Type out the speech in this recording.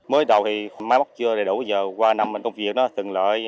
mới đầu thì máy móc chưa đầy đủ giờ qua năm mình công việc nó từng lợi